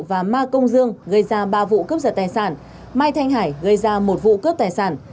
và ma công dương gây ra ba vụ cướp giật tài sản mai thanh hải gây ra một vụ cướp tài sản